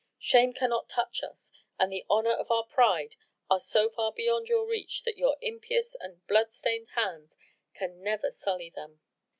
Shame cannot touch us, and our honour and our pride are so far beyond your reach that your impious and blood stained hands can never sully them."